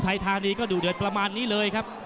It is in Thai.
เดี๋ยวดูครับคนนี้จะเป็นของใครนะครับ